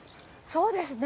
そうですね。